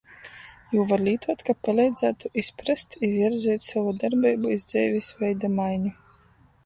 Jū var lītuot, kab paleidzātu izprast i vierzeit sovu darbeibu iz dzeivis veida maiņu.